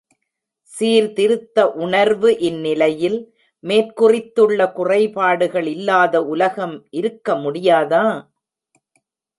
சீர்திருத்த உணர்வு இந்நிலையில், மேற் குறித்துள்ள குறைபாடுகள் இல்லாத உலகம் இருக்க முடியாதா?